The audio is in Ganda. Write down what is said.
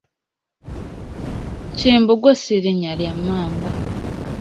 Kimbugwe si linnya lya mmamba.